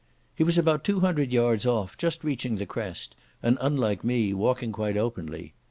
He was about two hundred yards off, just reaching the crest, and, unlike me, walking quite openly.